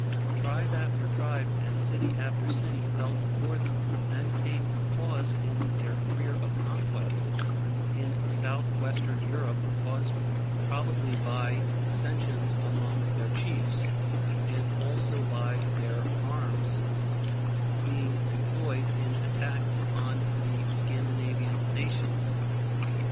Tribe after tribe, and city after city, fell before them. Then came a pause in their career of conquest in South western Europe caused probably by dissensions among their chiefs, and also by their arms being employed in attack upon the Scandinavian nations.